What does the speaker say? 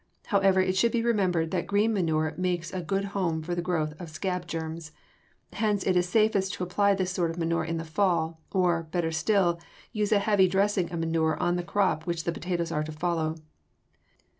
However, it should be remembered that green manure makes a good home for the growth of scab germs. Hence it is safest to apply this sort of manure in the fall, or, better still, use a heavy dressing of manure on the crop which the potatoes are to follow.